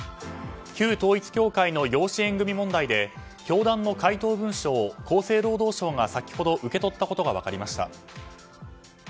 旧統一教会の養子縁組問題で教団の回答文書を厚生労働省が先ほど受け取ったことが分かりました。